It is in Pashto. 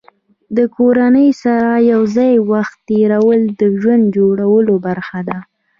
د کورنۍ سره یو ځای وخت تېرول د ژوند جوړولو برخه ده.